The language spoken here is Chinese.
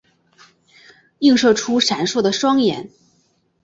映射出闪烁的双眼